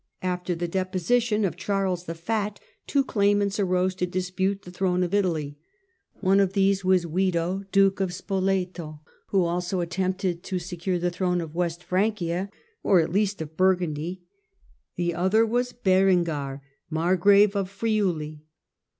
After the deposition of Charles the Fat two claimants arose to dispute the throne of Italy. One of these was Wido, Duke of Spoleto, who also attempted to secure the throne of West Francia, or at least of Burgundy ; the other was Berengar, Margrave of Friuli.